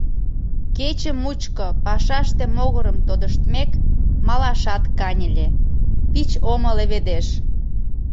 Кече мучко пашаште могырым тодыштмек, малашат каньыле, пич омо леведеш...